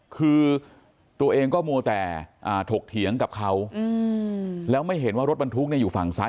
คือตัวเองก็มัวแต่ถกเถียงกับเขาแล้วไม่เห็นว่ารถบรรทุกอยู่ฝั่งซ้าย